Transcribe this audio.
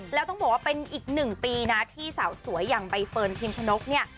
แล้วต้องบอกว่าเป็นอีกหนึ่งปีนะที่สาวสวยอย่างใบเฟิร์นพิมชนกเนี่ย